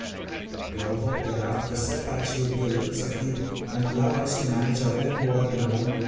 We all hoped that after this set back she would be a little subdued and allow us to manage our own war in our own way.